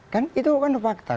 kan itu kan fakta